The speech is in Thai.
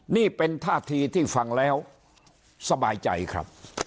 นี่เป็นท่าทีที่ฟังแล้วสบายใจครับ